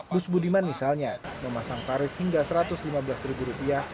bus budiman misalnya memasang tarif hingga satu ratus lima belas ribu rupiah